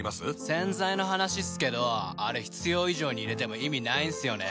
洗剤の話っすけどあれ必要以上に入れても意味ないんすよね。